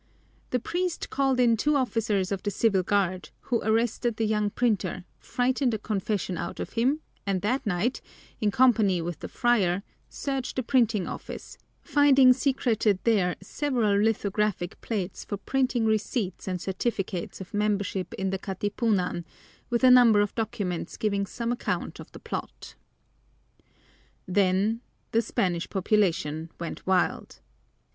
The priest called in two officers of the Civil Guard, who arrested the young printer, frightened a confession out of him, and that night, in company with the friar, searched the printing office, finding secreted there several lithographic plates for printing receipts and certificates of membership in the Katipunan, with a number of documents giving some account of the plot. Then the Spanish population went wild.